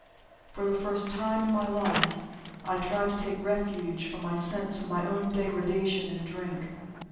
For the first time in my life, I tried to take refuge from my sense of my own degradation in drink.